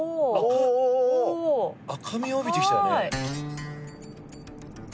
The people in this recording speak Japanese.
赤みを帯びてきたよね。